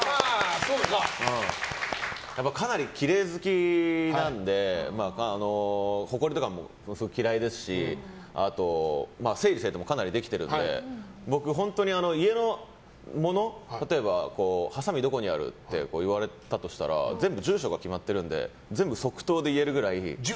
かなりきれい好きなのでほこりとかもものすごく嫌いですし整理整頓もかなりできてるので本当に家のもの、例えばはさみどこにあるって言われたとしたら全部住所が決まってるので全部即答で言えるぐらい。